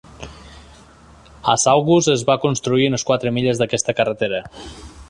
A Saugus es van construir unes quatre milles d'aquesta carretera.